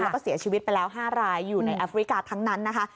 แล้วก็เสียชีวิตไปแล้ว๕รายอยู่ในแอฟริกาทั้งนั้นนะคะ